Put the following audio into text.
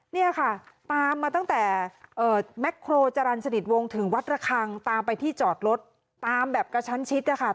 เนี่ยค่ะตามมาตั้งแต่แม็กโครจรรย์สนิทวงศ์ถึงวัดระคังตามไปที่จอดรถตามแบบกระชั้นชิดนะคะ